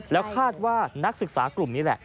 แล้วคาดว่านักศึกษากลุ่มนี้แหละ